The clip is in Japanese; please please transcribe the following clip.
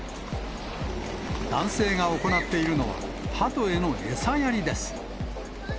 男性が行っているのは、ハトへの餌やりです。